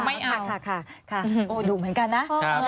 ไม่เอาโหดุเหมือนกันนะ